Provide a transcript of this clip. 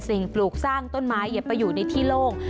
ปลูกสร้างต้นไม้อย่าไปอยู่ในที่โล่ง